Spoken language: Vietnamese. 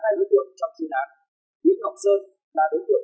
sau đó đối chiến trụng tốc với số cd